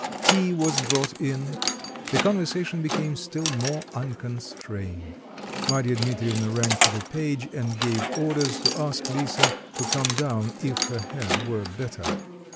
Tea was brought in; the conversation became still more unconstrained. Marya Dmitrievna rang for the page and gave orders to ask Lisa to come down if her head were better.